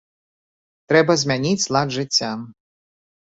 Трэба змяніць лад жыцця.